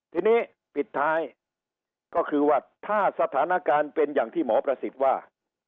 ทีนี้ปิดท้ายก็คือว่าถ้าสถานการณ์เป็นอย่างที่หมอประสิทธิ์ว่า